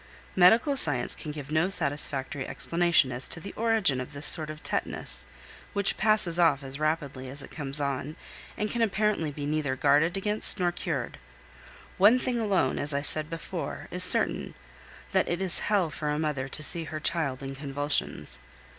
Medical science can give no satisfactory explanation as to the origin of this sort of tetanus, which passes off as rapidly as it comes on, and can apparently be neither guarded against nor cured. One thing alone, as I said before, is certain, that it is hell for a mother to see her child in convulsions.